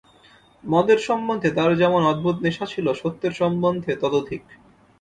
মদের সম্বন্ধে তাঁর যেমন অদ্ভুত নেশা ছিল সত্যের সম্বন্ধে ততোধিক।